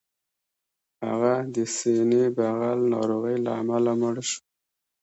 هغه د سینې بغل ناروغۍ له امله مړ شو